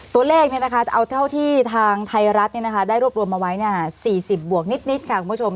ตัวเลขเอาเท่าที่ทางไทยรัฐได้รวบรวมมาไว้๔๐บวกนิดค่ะคุณผู้ชม